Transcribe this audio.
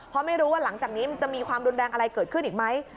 เพราะไม่รู้ว่าหลังจากนี้มันจะมีความรุนแรงอะไรเกิดขึ้นอีกไหม